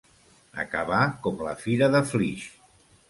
Acabar com la fira de Flix.